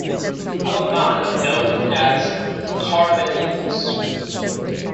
Alumni are known as "Cornellians".